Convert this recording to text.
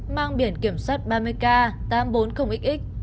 mang biển kiểm soát ba mươi k tám trăm bốn mươi xx